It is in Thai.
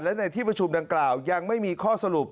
และในที่ประชุมดังกล่าวยังไม่มีข้อสรุป